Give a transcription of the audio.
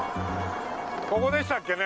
ここでしたっけね？